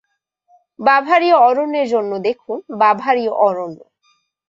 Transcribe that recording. বাভারীয় অরণ্যের জন্য দেখুন: বাভারীয় অরণ্য।